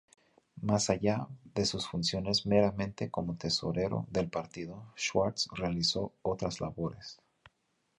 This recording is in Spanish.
Más allá de sus funciones meramente como tesorero del partido, Schwarz realizó otras labores.